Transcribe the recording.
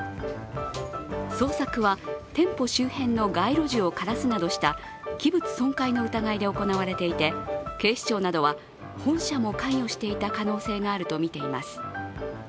捜索は店舗周辺の街路樹を枯らすなどした器物損壊の疑いで行われていて、警視庁などは本社も関与していた可能性があるとみています